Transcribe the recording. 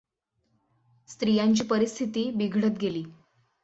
स्त्रियांची परिस्थिती बिघडत गेली.